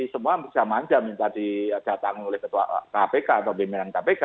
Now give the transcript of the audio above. semua bisa manja minta di datang oleh ketua kpk atau pimpinan kpk